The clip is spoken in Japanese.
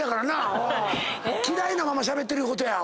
嫌いなまましゃべってることや。